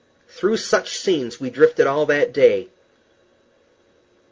Through such scenes we drifted all that day.